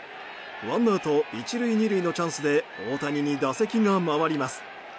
ワンアウト１塁２塁のチャンスで大谷に打席が回ります。